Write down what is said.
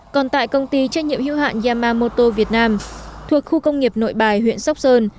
còn tại công ty trách nhiệm hữu hạn yamamoto việt nam thuộc khu công nghiệp nội bài huyện sóc sơn